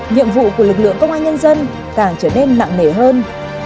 nhiệm vụ của lực lượng công an nhân dân càng trở nên nặng nề hơn